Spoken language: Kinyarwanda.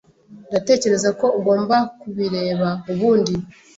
Ndatekereza ko ugomba kubireba ubundi.